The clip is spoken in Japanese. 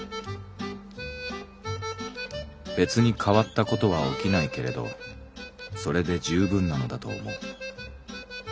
「べつに変わったことは起きないけれどそれで十分なのだと思う。